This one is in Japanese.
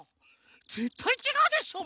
ぜったいちがうでしょ！